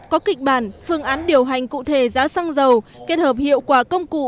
có kịch bản phương án điều hành cụ thể giá xăng dầu kết hợp hiệu quả công cụ